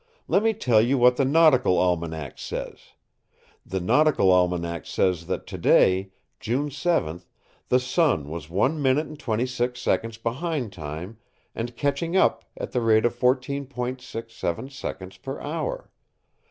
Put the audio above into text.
"Let me tell you what the Nautical Almanac says. The Nautical Almanac says that to day, June 7, the sun was 1 minute and 26 seconds behind time and catching up at the rate of 14.67 seconds per hour.